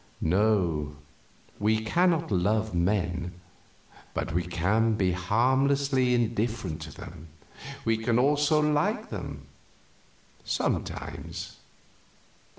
No, we cannot love men, but we can be harmlessly indifferent to them; we can also like them, sometimes.